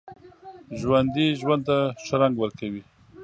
ژوندي ژوند ته ښه رنګ ورکوي